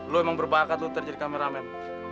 lo emang berbakat lo terjadi kameramen